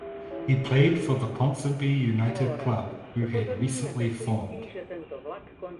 He played for the Ponsonby United club who had recently formed.